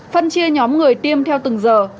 phân chia nhóm người tiêm theo từng giờ